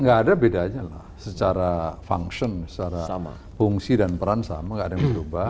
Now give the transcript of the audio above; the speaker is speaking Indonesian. nggak ada bedanya lah secara function secara fungsi dan peran sama nggak ada yang berubah